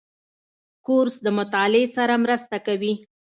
کورس د مطالعې سره مرسته کوي.